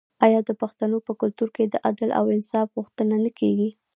آیا د پښتنو په کلتور کې د عدل او انصاف غوښتنه نه کیږي؟